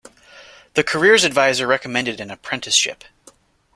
The careers adviser recommended an apprenticeship.